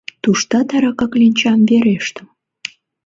Туштат арака кленчам верештым.